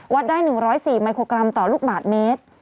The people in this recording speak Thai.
ได้๑๐๔ไมโครกรัมต่อลูกบาทเมตร